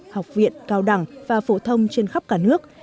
học viện cao đẳng và phổ thông trên khắp cả nước